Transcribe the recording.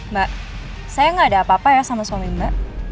mbak saya gak ada apa apa ya sama suami mbak